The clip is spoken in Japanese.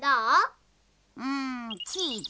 うんチーズ。